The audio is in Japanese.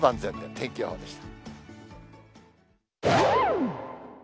天気予報でした。